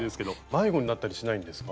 迷子になったりしないんですか？